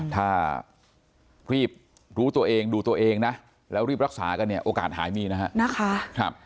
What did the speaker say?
ถ้ารีบรู้ตัวเองดูตัวเองนะแล้วรีบรักษากันเนี่ยโอกาสหายมีนะฮะ